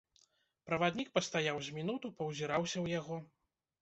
Праваднік пастаяў з мінуту, паўзіраўся ў яго.